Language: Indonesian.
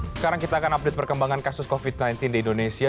sekarang kita akan update perkembangan kasus covid sembilan belas di indonesia